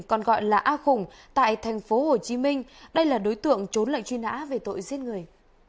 còn gọi là a khủng tại thành phố hồ chí minh đây là đối tượng trốn lệnh truy nã về tội giết người